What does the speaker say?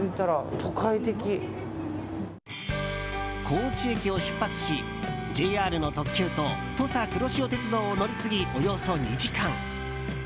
高知駅を出発しＪＲの特急と土佐くろしお鉄道を乗り継ぎ、およそ２時間。